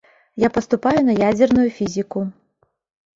Я паступаю на ядзерную фізіку.